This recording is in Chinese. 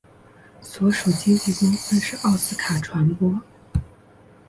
所属经纪公司是奥斯卡传播。